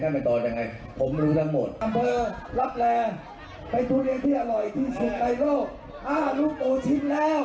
ถ้าอยู่คนเดียวกินหมดนี่